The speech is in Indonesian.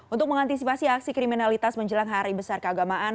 untuk mengantisipasi aksi kriminalitas menjelang hari besar keagamaan